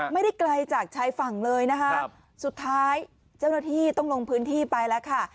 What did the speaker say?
ไม่ได้ไกลจากชายฝั่งเลยนะคะสุดท้ายเจ้าหน้าที่ต้องลงพื้นที่ไปแล้วค่ะ